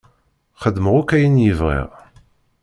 Xedmeɣ akk ayen i bɣiɣ.